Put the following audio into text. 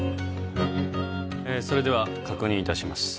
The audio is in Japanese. えそれでは確認いたします